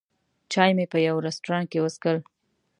چای مې په یوه رستورانت کې وڅښل.